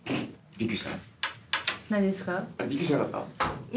びっくりしなかった？え？